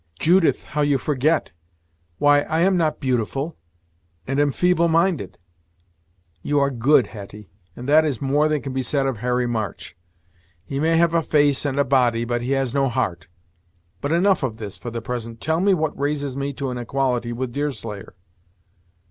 Judith, how you forget! Why I am not beautiful, and am feeble minded." "You are good, Hetty, and that is more than can be said of Harry March. He may have a face, and a body, but he has no heart. But enough of this, for the present. Tell me what raises me to an equality with Deerslayer."